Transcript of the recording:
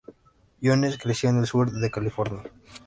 Jones creció en el sur de California.